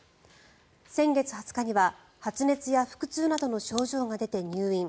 先月２０日には発熱や腹痛などの症状が出て入院。